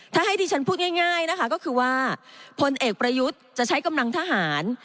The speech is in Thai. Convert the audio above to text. ถ้าให้ดิฉันพูดง่ายนะคะก็คือว่าพลเอกประยุทธ์จะใช้กำลังทหาร